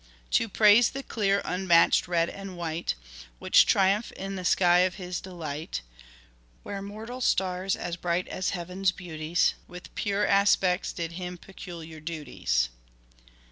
To praise the clear unmatched red and white Which triumph'd in the sky of his delight, Where mortal stars as bright as heaven's beauties, With pure aspects did him peculiar duties."